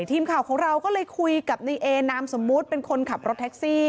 ทีมข่าวของเราก็เลยคุยกับในเอนามสมมุติเป็นคนขับรถแท็กซี่